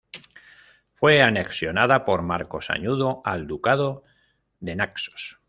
Fue anexionada por Marco Sanudo al Ducado de Naxos.